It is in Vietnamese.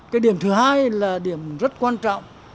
cái điểm thứ hai là điểm rất quan trọng